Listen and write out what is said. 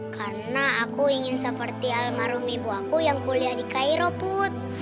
karena aku ingin seperti almarhum ibu aku yang kuliah di kairo put